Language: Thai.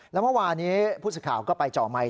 แล้วเมื่อวานี้พูดซึกข่าวก็ไปเจาะไมค์